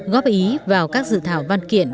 góp ý vào các dự thảo văn kiện